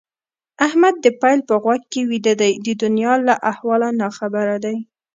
احمد د پيل په غوږ کې ويده دی؛ د دونيا له احواله ناخبره دي.